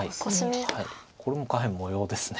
これもう下辺模様です。